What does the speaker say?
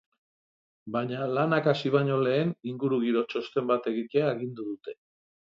Baina lanak hasi baino lehen, ingurugiro txosten bat egitea agindu dute.